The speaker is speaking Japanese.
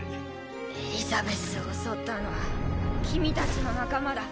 エリザベスを襲ったのは君たちの仲間だ。